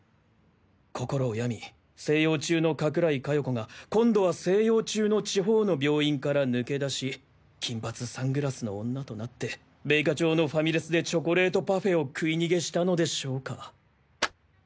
心を病み静養中の加倉井加代子が今度は静養中の地方の病院から抜け出し金髪サングラスの女となって米花町のファミレスでチョコレートパフェを食い逃げしたのでしょうか？